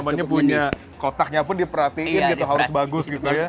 namanya punya kotaknya pun diperhatiin gitu harus bagus gitu ya